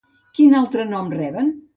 Quin altre nom reben?